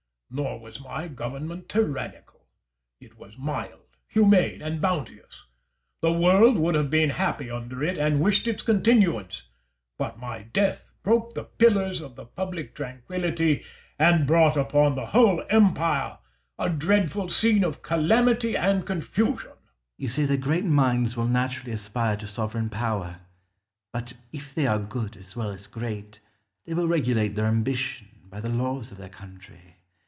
Nor was my government tyrannical. It was mild, humane, and bounteous. The world would have been happy under it and wished its continuance, but my death broke the pillars of the public tranquillity and brought upon the whole empire a direful scene of calamity and confusion. Scipio. You say that great minds will naturally aspire to sovereign power. But, if they are good as well as great, they will regulate their ambition by the laws of their country.